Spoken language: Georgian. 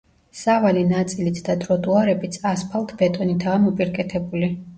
სავალი ნაწილიც და ტროტუარებიც ასფალტ-ბეტონითაა მოპირკეთებული.